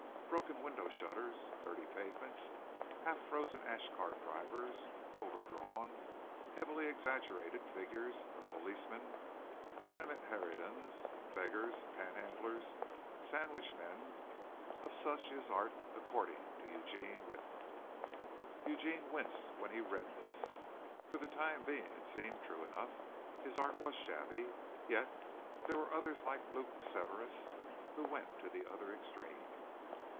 Broken window shutters, dirty pavements, half frozen ash cart drivers, overdrawn, heavily exaggerated figures of policemen, tenement harridans, beggars, panhandlers, sandwich men of such is Art according to Eugene Witla." Eugene winced when he read this. For the time being it seemed true enough. His art was shabby. Yet there were others like Luke Severas who went to the other extreme.